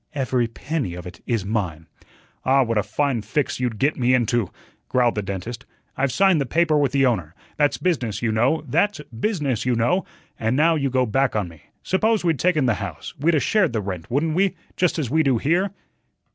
"Every penny of it is mine." "Ah, what a fine fix you'd get me into," growled the dentist. "I've signed the paper with the owner; that's business, you know, that's business, you know; and now you go back on me. Suppose we'd taken the house, we'd 'a' shared the rent, wouldn't we, just as we do here?"